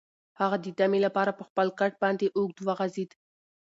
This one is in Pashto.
هغه د دمې لپاره په خپل کټ باندې اوږد وغځېد.